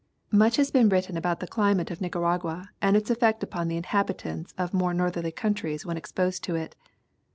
Much has been written about the climate of Nicaragua and its effect upon the inhabitants of more northerly countries when ex posed to it.